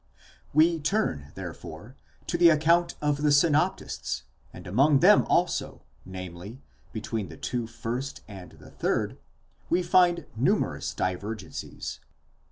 We turn, therefore, to the account of the synoptists, and among them also, namely, between the two first and the third, we find numerous divergencies.